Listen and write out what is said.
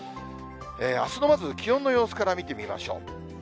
あすのまず気温の様子から見てみましょう。